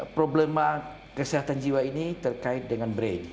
problema kesehatan jiwa ini terkait dengan brain